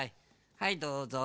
はいどうぞ。